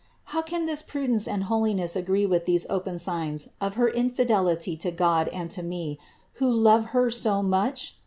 How can this prudence and holiness agree with these open signs of her infidelity to God and to me, who love Her so much?